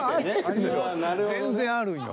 全然あるんよ。